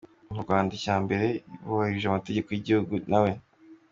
Mu Rwanda icya mbere iyo wubahirije amategeko y’igihugu nawe